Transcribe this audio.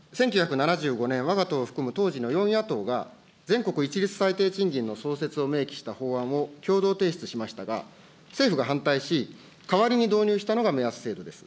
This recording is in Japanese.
１９７５年、わが党を含む当時の４野党が全国一律最低賃金の創設を明記した法案を共同提出しましたが、政府が反対し、代わりに導入したのが目安制度です。